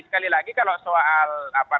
sekali lagi kalau soal